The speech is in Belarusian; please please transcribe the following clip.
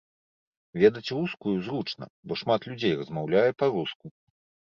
Ведаць рускую зручна, бо шмат людзей размаўляе па-руску.